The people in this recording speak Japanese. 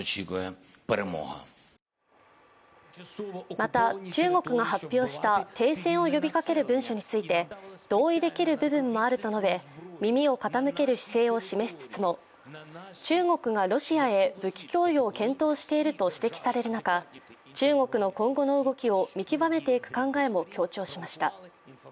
また、中国が発表した停戦を呼びかける文書について同意できる部分もあると述べ耳を傾ける姿勢を示しつつも中国がロシアへ武器供与を検討していると指摘される中、中国の今後の動きを見極めていく考えも強調しました。